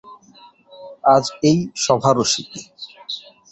আজ এই সভা– রসিক।